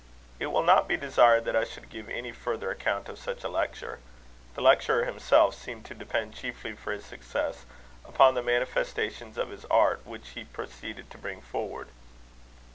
It will not be desired that I should give any further account of such a lecture. The lecturer himself seemed to depend chiefly for his success, upon the manifestations of his art which he proceeded to bring forward.